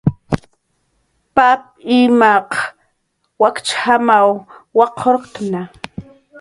Pap imtaruw wakch jam waqurktna